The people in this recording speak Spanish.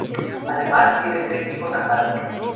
Además tiene tres hijos a cargo.